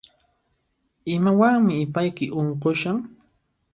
Imawanmi ipayki unqushan?